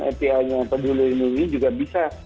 api nya peduli lindungi juga bisa